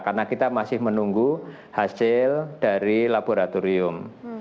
karena kita masih menunggu hasil dari laboratorium